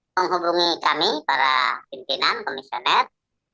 menghubungi kami para pimpinan komisioner